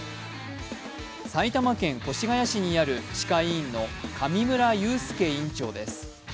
埼玉県越谷市にある歯科医院の上村優介院長です。